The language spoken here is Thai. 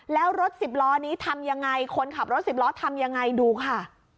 แล้วรถสิบล้อนี้ทำยังไงคนขับรถสิบล้อทำยังไงดูค่ะ